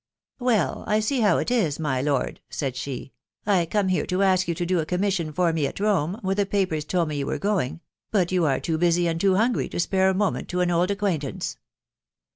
u Well !.... I see how it is, my lord," said she ;" I come here to ask you to do a . commission for me at Rome, where the papers told me you were going ; but you are too busy and too hungry to spare a .moment to an old acquaint ance."